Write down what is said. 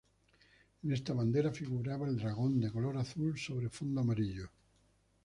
En esta bandera figuraba el dragón, de color azul, sobre fondo amarillo.